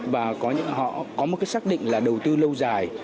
và họ có một cái xác định là đầu tư lâu dài